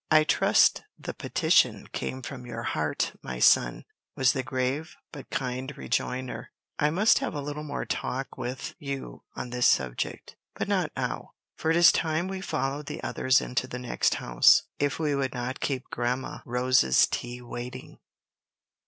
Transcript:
"I trust the petition came from your heart, my son," was the grave but kind rejoinder. "I must have a little more talk with you on this subject, but not now, for it is time we followed the others into the next house, if we would not keep Grandma Rose's tea waiting."